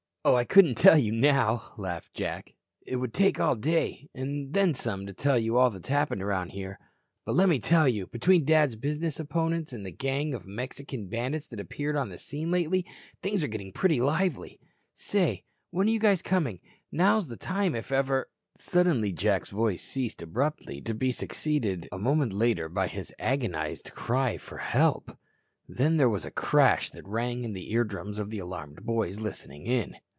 "Oh, I couldn't tell you now," laughed Jack. "It would take all day and then some to tell you all that's happening around here. But, let me tell you, between Dad's business opponents and a gang of Mexican bandits that appeared on the scene lately, things are getting pretty lively. Say, when are you coming? Now's the time if ever " Suddenly, Jack's voice ceased abruptly, to be succeeded a moment later by his agonized cry for "Help." Then there was a crash that rang in the eardrums of the alarmed boys listening in.